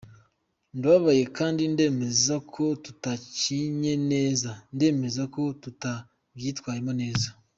Ndababaye kandi ndemeza ko tutakinye neza, ndemeza ko tutavyitwayemwo neza.